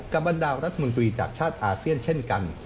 บรรดารัฐมนตรีจากชาติอาเซียนเช่นกัน